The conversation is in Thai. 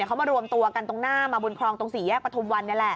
เขามารวมตัวกันตรงหน้ามาบนคลองตรงสี่แยกประทุมวันนี่แหละ